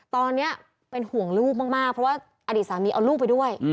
ตอนนี้เป็นห่วงลูกมากเพราะว่าอดีตสามีเอาลูกไปด้วย